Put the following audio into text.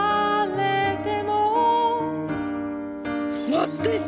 待って。